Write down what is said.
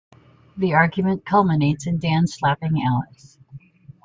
The argument culminates in Dan slapping Alice.